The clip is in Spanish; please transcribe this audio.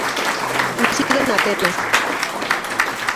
Nacido en Atenas.